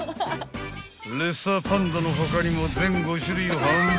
［レッサーパンダの他にも全５種類を販売］